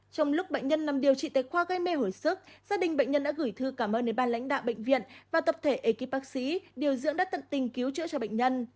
trong lúc bệnh nhân nằm điều trị tệ khoa gây mê hồi sức gia đình bệnh nhân đã gửi thư cảm ơn đến ban lãnh đạo bệnh viện và tập thể ekip bác sĩ điều dưỡng đã tận tình cứu chữa cho bệnh nhân